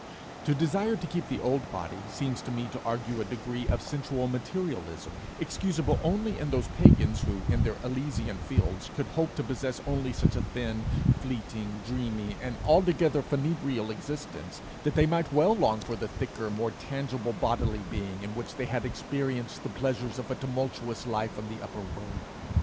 To desire to keep the old body seems to me to argue a degree of sensual materialism excusable only in those pagans who in their Elysian fields could hope to possess only such a thin, fleeting, dreamy, and altogether funebrial existence, that they might well long for the thicker, more tangible bodily being in which they had experienced the pleasures of a tumultuous life on the upper world.